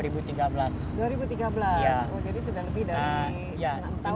jadi sudah lebih dari enam tahun ya sekarang